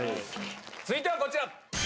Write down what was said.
続いてはこちら。